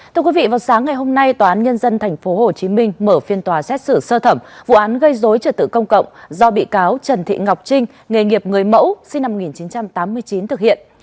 thưa quý vị vào sáng ngày hôm nay tòa án nhân dân tp hcm mở phiên tòa xét xử sơ thẩm vụ án gây dối trật tự công cộng do bị cáo trần thị ngọc trinh nghề nghiệp người mẫu sinh năm một nghìn chín trăm tám mươi chín thực hiện